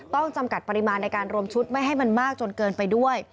จำกัดปริมาณในการรวมชุดไม่ให้มันมากจนเกินไปด้วย